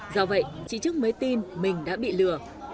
do vậy chị trức mới tin mình đã bị lừa